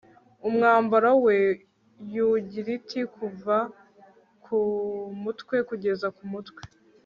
Umwambaro we ungirt kuva kumutwe kugeza kumutwe